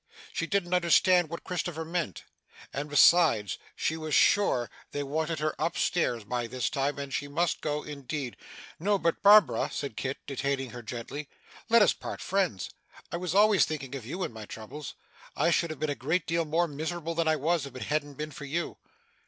She didn't understand what Christopher meant. And besides she was sure they wanted her up stairs by this time, and she must go, indeed 'No, but Barbara,' said Kit, detaining her gently, 'let us part friends. I was always thinking of you, in my troubles. I should have been a great deal more miserable than I was, if it hadn't been for you.